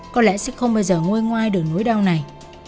có lẽ sẽ không bao giờ ngôi ngoai đường núi đau này